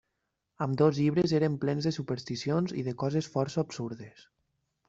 Ambdós llibres eren plens de supersticions i de coses força absurdes.